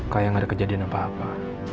kayak gak ada kejadian apa apa